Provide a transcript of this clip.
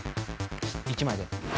１枚で